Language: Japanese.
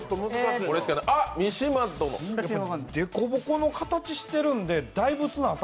でこぼこの形をしてるんで大仏の頭。